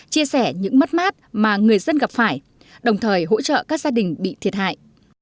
chia sẻ những mất mát mà người dân gặp phải đồng thời hỗ trợ các gia đình bị thiệt hại